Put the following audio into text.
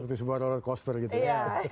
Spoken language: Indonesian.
itu sebuah roller coaster gitu ya